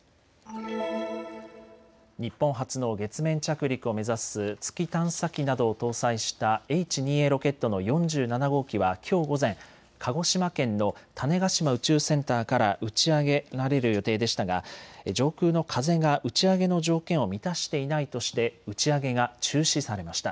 日本初の月面着陸を目指す月探査機などを搭載したＨ２Ａロケットの４７号機はきょう午前、鹿児島県の種子島宇宙センターから打ち上げられる予定でしたが上空の風が打ち上げの条件を満たしていないとして打ち上げが中止されました。